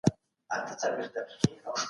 د پاچا مړینه د سیاست او خلکو ژوند اغیزمن کړ.